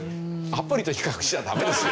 アプリと比較しちゃダメですよ！